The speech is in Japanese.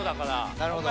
なるほど。